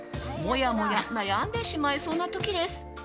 もやもや悩んでしまいそうな時です。